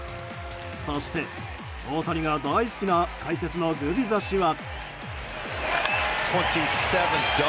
そして、大谷が大好きな解説のグビザ氏は。